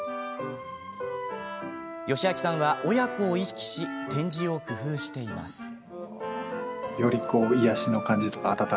与志彰さんは、親子を意識し展示を工夫しています。